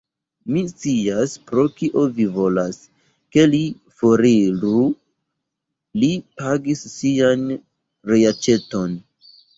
Mi scias, pro kio ci volas, ke li foriru: li pagis sian reaĉeton.